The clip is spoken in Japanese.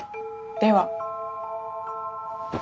では。